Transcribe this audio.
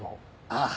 ああ。